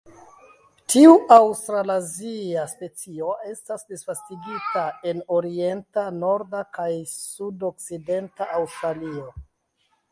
Tiu aŭstralazia specio estas disvastigata en orienta, norda kaj sudokcidenta Aŭstralio.